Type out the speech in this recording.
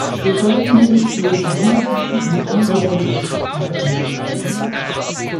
Wir sollten hier nicht bloß herumsitzen und unrealistische Forderungen stellen.